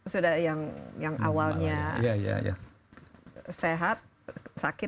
sudah yang awalnya sehat sakit